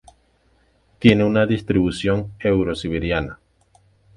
Tiene una distribución Eurosiberiana.